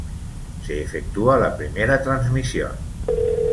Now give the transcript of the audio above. Se efectúa la primera transmisión.